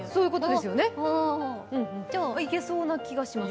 いけそうな気がします。